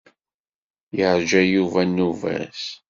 Yeṛǧa Yuba nnuba-s.